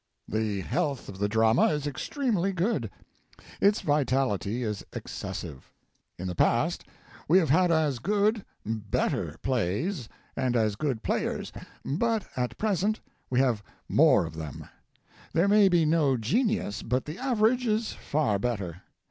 "The health of the drama is extremely good. Its vitality is excessive. In the past we have had as good better plays and as good players, but at present we have more of them. there may be no genius, but the average is far better.